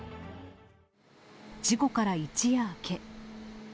事故から一夜明け。